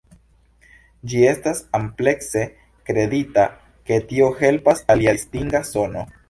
Ĝi estas amplekse kredita ke tio helpas al lia distinga sono.